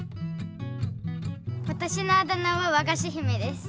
わたしのあだ名は「わがしひめ」です。